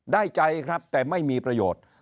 ได้ใจครับแต่ไม่มีประโยชน์